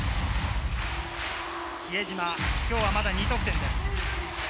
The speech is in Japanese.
比江島は今日はまだ２得点です。